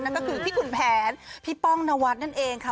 ก็คือพี่ขุนแผนพี่ป้องนวัดนั่นเองค่ะ